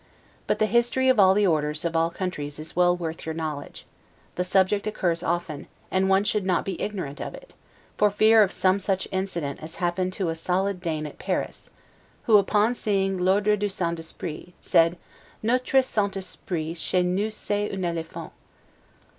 But the history of all the Orders of all countries is well worth your knowledge; the subject occurs often, and one should not be ignorant of it, for fear of some such accident as happened to a solid Dane at Paris, who, upon seeing 'L'Ordre du St. Esprit', said, 'Notre St. Esprit chez nous c'est un Elephant'.